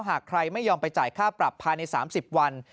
หากใครไม่ยอมไปจ่ายค่าปรับภายใน๓๐วัน